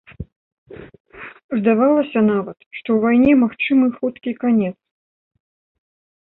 Здавалася нават, што ў вайне магчымы хуткі канец.